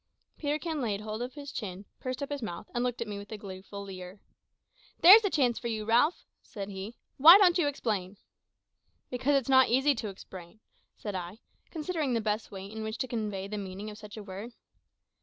Peterkin laid hold of his chin, pursed up his mouth, and looked at me with a gleeful leer. "There's a chance for you, Ralph," said he; "why don't you explain?" "Because it's not easy to explain," said I, considering the best way in which to convey the meaning of such a word.